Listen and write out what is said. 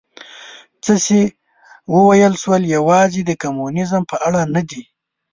څه چې وویل شول یوازې د کمونیزم په اړه نه دي.